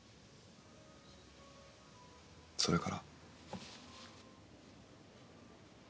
それから？